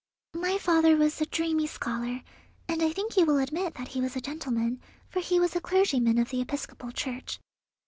My father was a dreamy scholar, and I think you will admit that he was a gentleman, for he was a clergyman of the Episcopal Church.